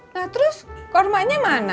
nah terus korma nya mana